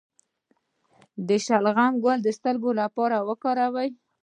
د شلغم ګل د سترګو لپاره وکاروئ